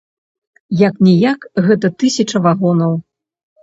Як-ніяк, гэта тысяча вагонаў.